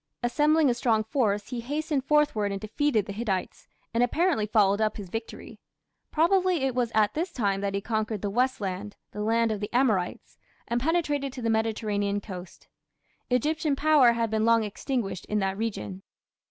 Assembling a strong force, he hastened northward and defeated the Hittites, and apparently followed up his victory. Probably it was at this time that he conquered the "West Land" (the land of the Amorites) and penetrated to the Mediterranean coast. Egyptian power had been long extinguished in that region.